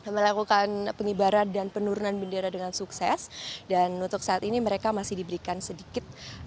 melakukan pengibaran dan penurunan bendera dengan sukses dan untuk saat ini mereka masih diberikan sedikit